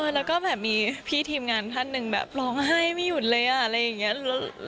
แล้วก็แบบมีพี่ทีมงานท่านหนึ่งแบบร้องไห้ไม่หยุดเลยอะไรอย่างนี้